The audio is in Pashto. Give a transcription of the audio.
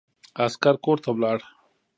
عسکر کورته ولاړ.